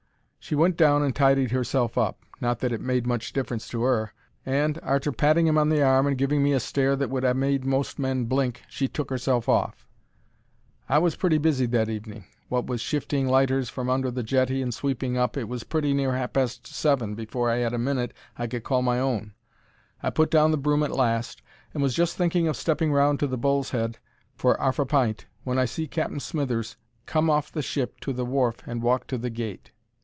She went down and tidied herself up—not that it made much difference to 'er—and, arter patting him on the arm and giving me a stare that would ha' made most men blink, she took herself off. I was pretty busy that evening. Wot with shifting lighters from under the jetty and sweeping up, it was pretty near ha' past seven afore I 'ad a minute I could call my own. I put down the broom at last, and was just thinking of stepping round to the Bull's Head for a 'arf pint when I see Cap'n Smithers come off the ship on to the wharf and walk to the gate.